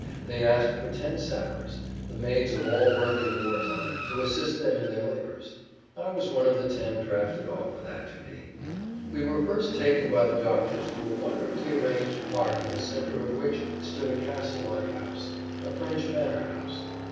They asked for ten sappers—the maids of all work in war time—to assist them in their labors. I was one of the ten drafted off for that duty. We were first taken by the doctors to a wonderfully arranged park in the center of which stood a castle like house, a French manor house.